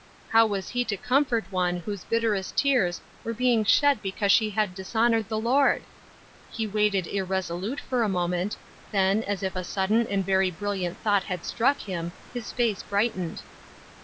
How was he to com fort one whose bitterest tears were being shed because she had dishonored the Lord? He waited irresolute for a moment, then, as if a sud den and very brilliant thought had struck him, his face brightened.